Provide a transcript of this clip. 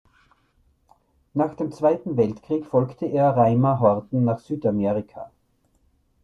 Nach dem Zweiten Weltkrieg folgte er Reimar Horten nach Südamerika.